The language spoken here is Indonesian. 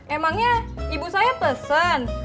emangnya ibu saya pesen